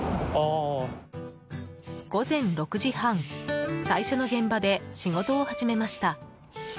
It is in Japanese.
午前６時半最初の現場で仕事を始めました。